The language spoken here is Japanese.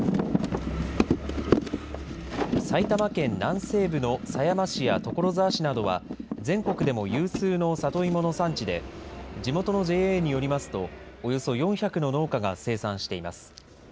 埼玉県南西部の狭山市や所沢市などは、全国でも有数の里芋の産地で、地元のＪＡによりますと、およそ４００の農家が生産しています。